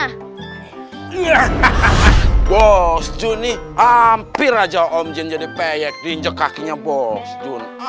hahaha bos jun nih hampir aja om jin jadi peyek diinjek kakinya bos jun